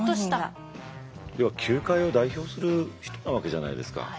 要は球界を代表する人なわけじゃないですか。